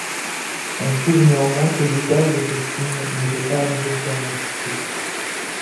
On trouve néanmoins que l'usage de ce signe n'était pas nécessairement strict.